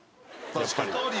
確かに。